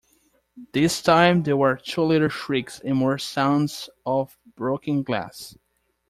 This time there were two little shrieks, and more sounds of broken glass.